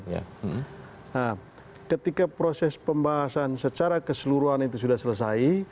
nah ketika proses pembahasan secara keseluruhan itu sudah selesai